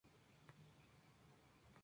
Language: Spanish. Muy joven se mudó su familia a Iowa.